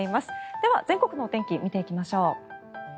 では、全国の天気見ていきましょう。